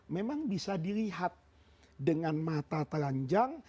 memang bisa dilihat dengan mata telanjang